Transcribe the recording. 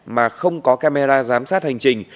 mà không có camera giám sát hành trình